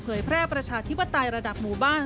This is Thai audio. แพร่ประชาธิปไตยระดับหมู่บ้าน